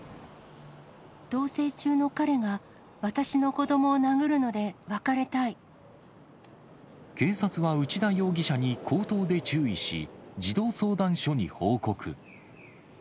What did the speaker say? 同せい中の彼が私の子どもを警察は内田容疑者に口頭で注意し、児童相談所に報告。